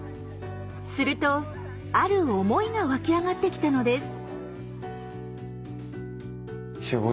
するとある思いが湧き上がってきたのです。